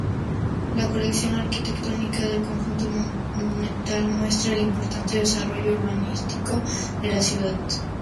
La colección arquitectónica del Conjunto Monumental muestra el importante desarrollo urbanístico de la ciudad.